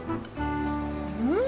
うん！